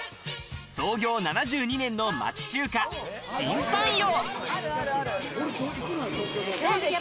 創業７２年の町中華、新三陽。